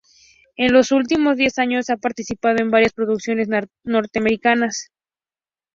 En los últimos diez años ha participado en varias producciones norteamericanas.